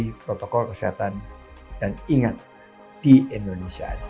untuk mendapatkan tokoh kesehatan dan ingat di indonesia ada